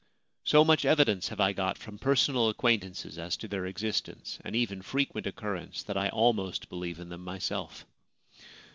So much evidence have I got from personal acquaintances as to their existence, and even frequent occurrence, that I almost believe in them myself.